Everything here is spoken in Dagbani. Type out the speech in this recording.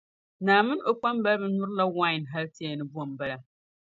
Naa mini o kpambaliba nyurila wain hal ti yɛli ni bo m-bala.